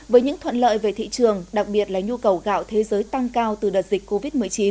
với những thuận lợi về thị trường đặc biệt là nhu cầu gạo thế giới tăng cao từ đợt dịch covid một mươi chín